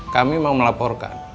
kami mau melaporkan